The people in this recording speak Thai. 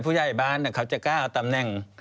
ผู้ใหญ่บ้านเขาจะก้าวตำแหน่ง